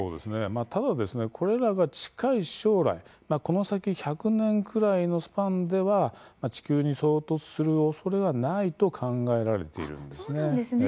ただ、これらが近い将来この先１００年くらいのスパンでは地球に衝突するおそれはないと考えられているんですね。